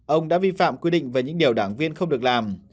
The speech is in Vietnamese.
ông đã vi phạm quy định về những điều đảng viên không được làm